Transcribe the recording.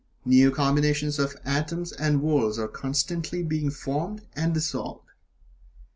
New combinations of atoms and worlds are constantly being formed and dissolved.